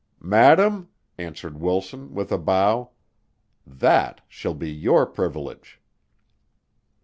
"Madame," answered Wilson, with a bow, "that shall be your privilege."